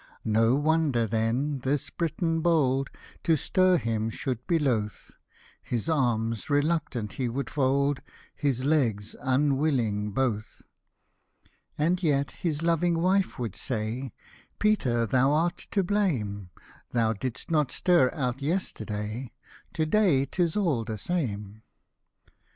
No wonder then this Briton bold To stir him should be loth ; His arms reluctant he would fold ; His legs unwilling both. And yet his loving wife would say, " Peter, thou art to blame ; Thou didst not stir out yesterday, To day 'tis all the same."